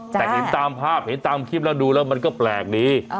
แต่เห็นตามภาพเห็นตามคลิปแล้วดูแล้วมันก็แปลกดี